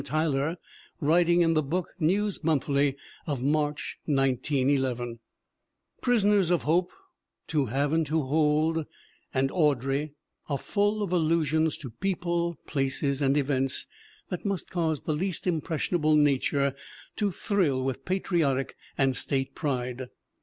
Tyler, writing in the Book News Monthly of March, 1911. "Prisoners of Hope, To Have and to Hold and Audrey are full of allusions to people, places and events that must cause the least impressionable nature to thrill with patriotic and State pride.